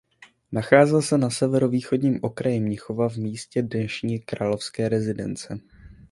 Nacházel se na severovýchodním okraji Mnichova v místě dnešní Královské rezidence.